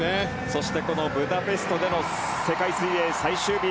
そしてこのブダペストでの世界水泳最終日